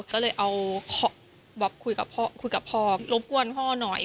ก็เลยคุยกับพ่อรบกวนพ่อหน่อย